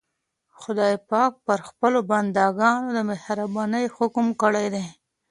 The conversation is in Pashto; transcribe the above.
خدای پاک پر خپلو بندګانو د مهربانۍ حکم کړی دی.